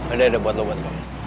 udah udah buat lo buat lo